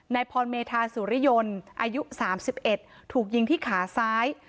นายพรเมธาสุริยนตร์อายุสามสิบเอ็ดถูกยิงที่ขาซ้าย